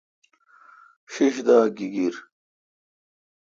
ݭݭ دا گیگیر۔